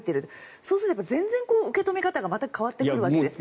そうすると全然、受け止め方がまた変わってくるわけですね。